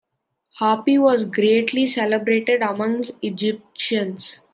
Hapi was greatly celebrated among the Egyptians.